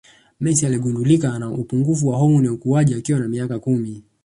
Messi aligundulika ana upungufu wa homoni ya ukuaji akiwa na miaka kumi